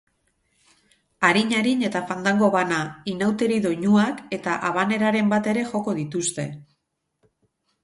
Arin-arin eta fandago bana, inauteri doinuak eta habaneraren bat ere joko dituzte.